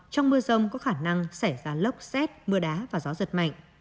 trong mưa rông có khả năng xảy ra lốc xét mưa đá và gió giật mạnh